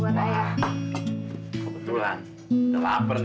kebetulan udah lapar nih